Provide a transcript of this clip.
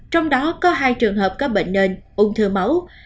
trong đó có hai trường hợp có bệnh nền ung thư máu